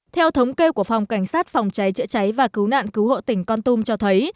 theo thống kê của phòng cảnh sát phòng cháy chữa cháy và cứu nạn cứu hộ tỉnh con tum cho thấy